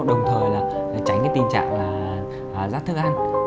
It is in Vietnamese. đồng thời là tránh cái tình trạng là rác thức ăn